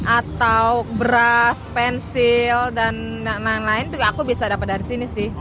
atau brush pencil dan lain lain tuh aku bisa dapat dari sini sih